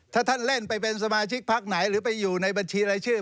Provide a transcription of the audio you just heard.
ถ้าท่านเล่นไปเป็นสมาชิกพักไหนหรือไปอยู่ในบัญชีรายชื่อ